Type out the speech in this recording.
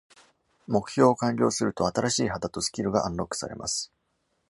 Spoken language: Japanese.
目標を完了すると、新しい肌とスキルがアンロックされます。